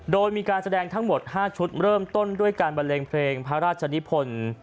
โดยมีการแสดงทั้งหมด๕ชุดเริ่มต้นด้วยการบันเลงเพลงพระราชนิพล